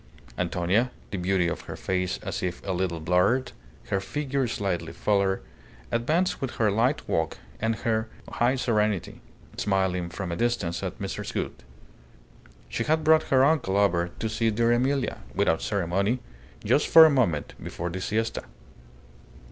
Antonia, the beauty of her face as if a little blurred, her figure slightly fuller, advanced with her light walk and her high serenity, smiling from a distance at Mrs. Gould. She had brought her uncle over to see dear Emilia, without ceremony, just for a moment before the siesta.